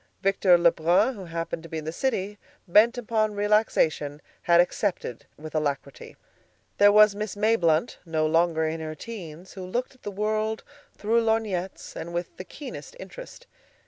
Victor Lebrun, who happened to be in the city, bent upon relaxation, had accepted with alacrity. There was a Miss Mayblunt, no longer in her teens, who looked at the world through lorgnettes and with the keenest interest.